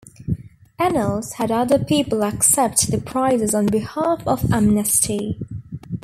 Ennals had other people accept the prizes on behalf of Amnesty.